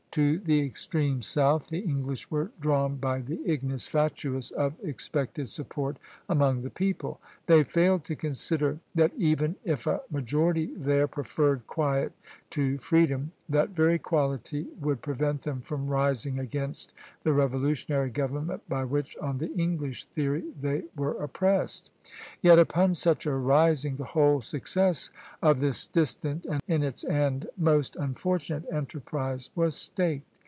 To the extreme south the English were drawn by the ignis fatuus of expected support among the people. They failed to consider that even if a majority there preferred quiet to freedom, that very quality would prevent them from rising against the revolutionary government by which, on the English theory, they were oppressed; yet upon such a rising the whole success of this distant and in its end most unfortunate enterprise was staked.